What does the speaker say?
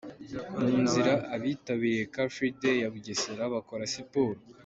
Mu nzira abitabiriye Car Free Day ya Bugesera bakora siporo.